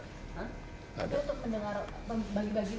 itu untuk pendengar bagi bagi uang